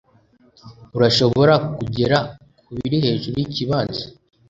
Urashobora kugera kubiri hejuru yikibanza